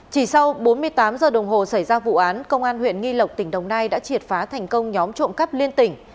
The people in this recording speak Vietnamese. chỉ sau bốn mươi tám giờ đồng hồ xảy ra vụ án công an huyện nghi lộc tỉnh đồng nai đã triệt phá thành công nhóm trộm cắp liên tỉnh